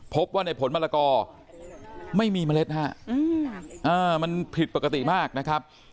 พบว่าในผลมะละกอไม่มีเมล็ดฮะมันผิดปกติมากนะครับ